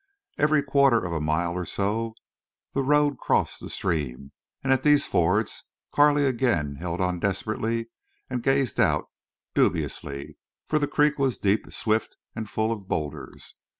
Every quarter of a mile or so the road crossed the stream; and at these fords Carley again held on desperately and gazed out dubiously, for the creek was deep, swift, and full of bowlders.